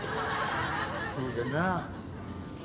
そうだな。